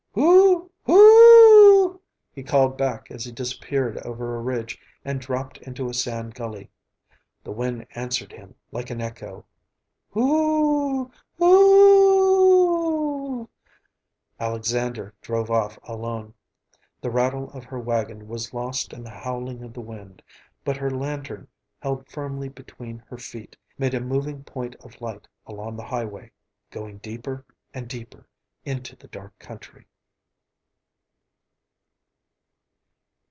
"Hoo, hoo o o o!" he called back as he disappeared over a ridge and dropped into a sand gully. The wind answered him like an echo, "Hoo, hoo o o o o o!" Alexandra drove off alone. The rattle of her wagon was lost in the howling of the wind, but her lantern, held firmly between her feet, made a moving point of light along the highway, going deeper and deeper into the dark country.